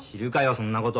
そんなこと。